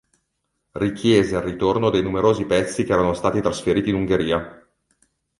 Richiese il ritorno dei numerosi pezzi che erano stati trasferiti in Ungheria.